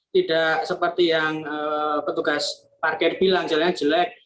tidak seperti yang petugas parkir bilang jalannya jelek